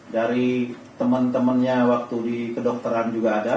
dari teman temannya waktu di kedokteran juga ada